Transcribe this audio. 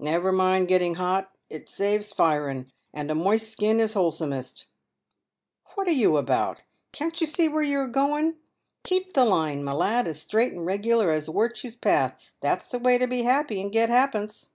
Never mind getting hot, it saves firen, and a moist skin is wholesomest. "What are you about ? Can't you see where you're a goen. Keep the line, my lad, as straight and regular as wirtue's path, that's the way to be happy and get ha'pence."